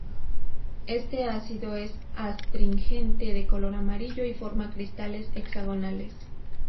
Este ácido es astringente, de color amarillo y forma cristales hexagonales.